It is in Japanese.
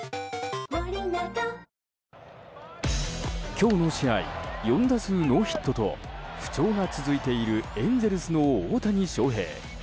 今日の試合４打数ノーヒットと不調が続いているエンゼルスの大谷翔平。